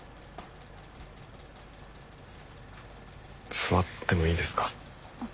座ってもいいですか？